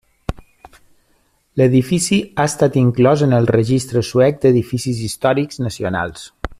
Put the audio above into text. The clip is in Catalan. L'edifici ha estat inclòs en el registre suec d'edificis històrics nacionals.